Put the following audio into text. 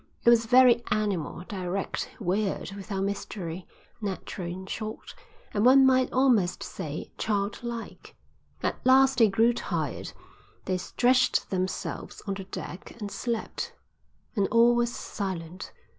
It was very animal, direct, weird without mystery, natural in short, and one might almost say childlike. At last they grew tired. They stretched themselves on the deck and slept, and all was silent.